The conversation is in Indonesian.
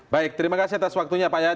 baik terima kasih atas waktunya pak ya